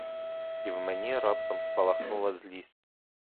І в мені раптом спалахнула злість.